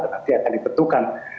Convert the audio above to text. nanti akan dipetukan